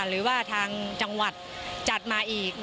หรือว่าทางจังหวัดจัดมาอีก